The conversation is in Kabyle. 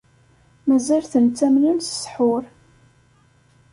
Mazal-ten ttamnen s ssḥur.